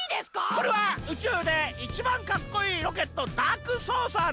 これはうちゅうでいちばんかっこいいロケットダークソーサーです！